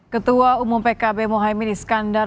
ketua umum pkb mohaimin iskandar